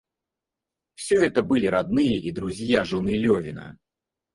Всё это были родные и друзья жены Левина.